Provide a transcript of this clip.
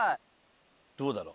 どうだろう？